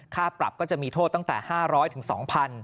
ค่าปรับก็จะมีโทษตั้งแต่๕๐๐๒๐๐บาท